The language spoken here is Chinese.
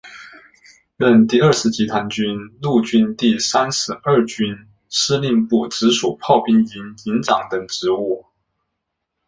任第二十集团军陆军第三十二军司令部直属炮兵营营长等职。